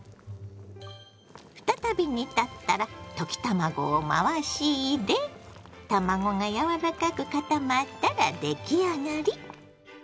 再び煮立ったら溶き卵を回し入れ卵が柔らかく固まったら出来上がり！